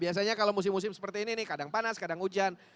biasanya kalau musim musim seperti ini nih kadang panas kadang hujan